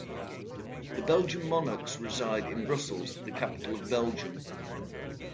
The Belgian Monarchs reside in Brussels, the capital of Belgium.